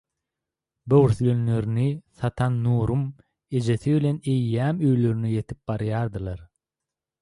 Böwürslenlerini satan Nurum ejesi bilen eýýäm öýlerine ýetip barýadylar.